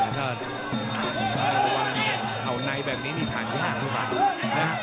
ระบบข้างเหนือแบบนี้ผ่านยากนึกว่า